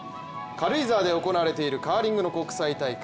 軽井沢で行われているカーリングの国際大会。